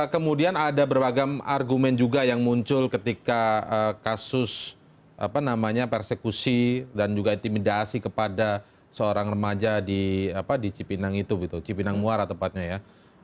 kemudian ada berbagai argumen juga yang muncul ketika kasus persekusi dan intimidasi kepada seorang remaja di cipinang muara